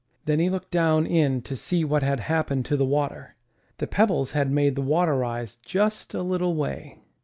Then he looked down in to see what had happened to the water. The pebbles had made the water rise just a little way.